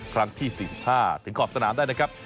ครั้งที่๔๕ถึงขอบสนามได้นะครับ